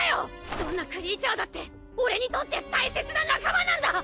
どんなクリーチャーだって俺にとって大切な仲間なんだ！